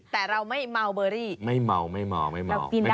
แต่เราไม่เมาเบอรี่เรากินได้